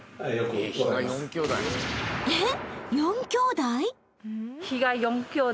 ［えっ！？］